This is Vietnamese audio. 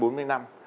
chai rượu này